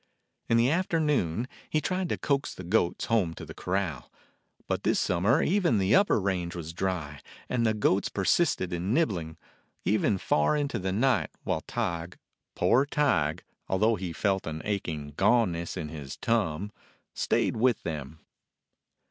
In the afternoon he tried to coax the goats home to the corral, but this summer even the upper range was dry, and the goats persisted in nibbling, even far into the night, while Tige, poor Tige, although he felt an aching goneness in his "turn," stayed with them.